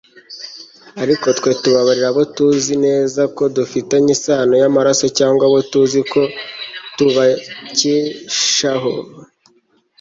ariko twe tubabarira abo tuzi neza ko dufitanye isano y'amaraso cyangwa abo tuzi ko tubakeshaho